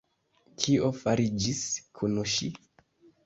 Kio fariĝis kun ŝi?